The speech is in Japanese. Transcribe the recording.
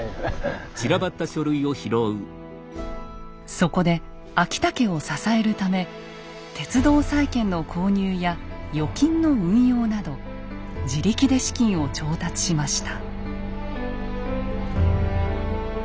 そこで昭武を支えるため鉄道債券の購入や預金の運用など自力で資金を調達しました。